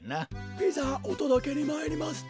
ピザおとどけにまいりました。